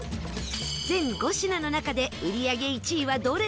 全５品の中で売り上げ１位はどれなのか？